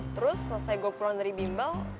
terus selesai gue kurang dari bimbel